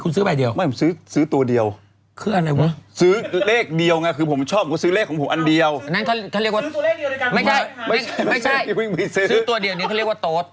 ซื้อตัวเดียวเนี่ยก็เรียกว่าโต๊ด